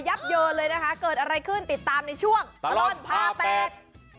ับเยินเลยนะคะเกิดอะไรขึ้นติดตามในช่วงตลอดพาแปด